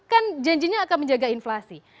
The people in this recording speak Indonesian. kan janjinya akan menjaga inflasi